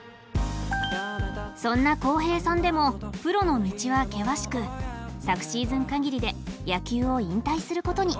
そんな浩平さんでもプロの道は険しく昨シーズン限りで野球を引退することに。